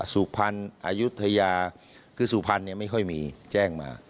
สุพรรณอายุทยาคือสุพรรณไม่ค่อยมีแจ้งมา